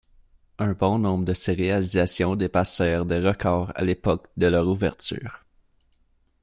Un bon nombre de ces réalisations dépassèrent des records à l'époque de leur ouverture.